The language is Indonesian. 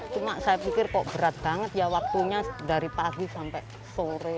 cuma saya pikir kok berat banget ya waktunya dari pagi sampai sore